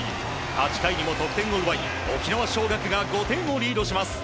８回にも得点を奪い沖縄尚学が５点をリードします。